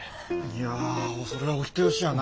いやぁそれはお人よしやな。